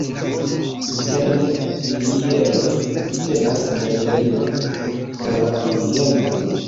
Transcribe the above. Interne pilieroj tenas galerion por la orgeno.